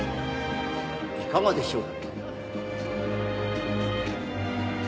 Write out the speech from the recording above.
いかがでしょう？」